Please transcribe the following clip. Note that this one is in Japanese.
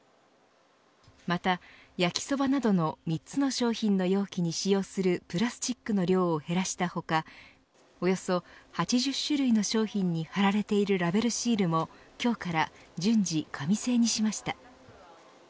また焼きそばなどの３つの商品の容器に使用するプラスチックの量を減らした他およそ８０種類の商品に貼られているラベルシールも今日から順次、紙製にしました。